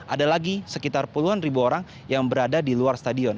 ada lagi sekitar puluhan ribu orang yang berada di luar stadion